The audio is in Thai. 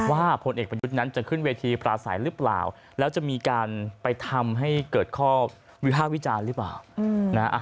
พลเอกประยุทธ์นั้นจะขึ้นเวทีปราศัยหรือเปล่าแล้วจะมีการไปทำให้เกิดข้อวิภาควิจารณ์หรือเปล่านะ